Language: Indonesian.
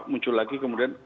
muncul lagi kemudian